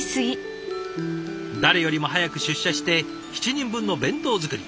誰よりも早く出社して７人分の弁当作り。